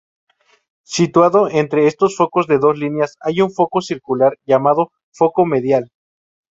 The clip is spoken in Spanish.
Situado entre estos focos de dos líneas hay un foco circular llamado foco medial.